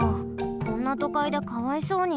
こんなとかいでかわいそうに。